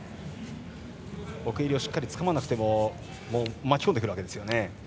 奥襟をしっかりつかまなくても巻き込んでくるんですね。